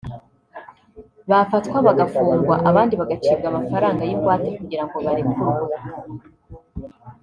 bafatwa bagafungwa abandi bagacibwa amafaranga y’ingwate kugira ngo barekurwe